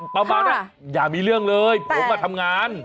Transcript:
ประมาณว่าอย่ามีเรื่องเลยผมทำงาน